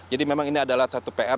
jadi memang ini adalah satu pr